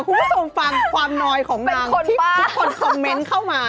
คุยสมฟังความนอยของนางที่ทุกคนคอมเม้นเข้ามา